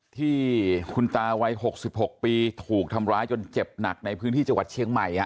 ที่คุณตาวัย๖๖ปีถูกทำร้ายจนเจ็บหนักในพื้นที่จังหวัดเชียงใหม่